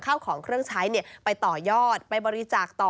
เข้าของเครื่องใช้ไปต่อยอดไปบริจาคต่อ